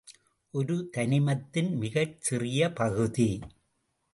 ஒரு தனிமத்தின் மிகச் சிறிய பகுதி.